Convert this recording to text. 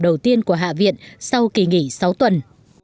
đầu tiên của hạ viện sau kỳ nghỉ sáu tuần